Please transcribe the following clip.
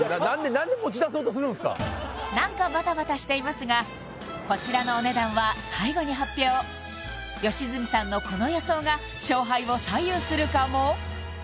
何で持ち出そうとするんですか何かバタバタしていますがこちらのお値段は最後に発表良純さんのこの予想が勝敗を左右するかも？